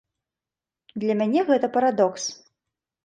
Для мяне гэта парадокс.